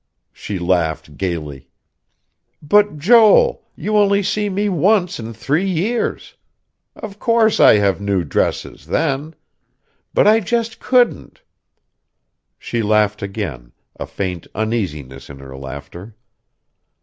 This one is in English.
She laughed gayly. "But, Joel, you only see me once in three years. Of course I have new dresses, then. But I just couldn't...." She laughed again, a faint uneasiness in her laughter.